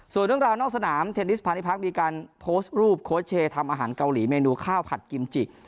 ส่วนเรื่องราวนอกสนามเทนนิสพาณิพักมีการโพสต์รูปโค้ชเชย์ทำอาหารเกาหลีเมนูข้าวผัดกิมจิ